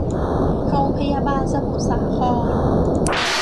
โรงพยาบาลสมุทรสาคร